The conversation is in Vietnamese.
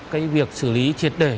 cái việc xử lý triệt đề